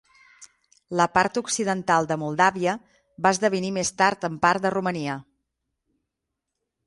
La part occidental de Moldàvia va esdevenir més tard en part de Romania.